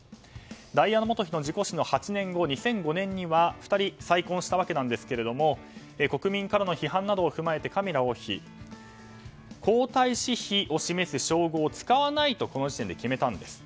ダイアナ元妃の事故死の８年後２００５年には２人再婚したわけですが国民からの批判などを踏まえてカミラ王妃は皇太子妃を示す称号を使わないとこの時点で決めたんです。